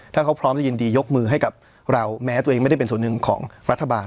ถ้าเขาพร้อมจะยินดียกมือให้กับเราแม้ตัวเองไม่ได้เป็นส่วนหนึ่งของรัฐบาล